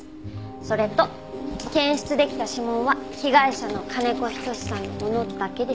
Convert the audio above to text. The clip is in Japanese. それと検出できた指紋は被害者の金子仁さんのものだけでした。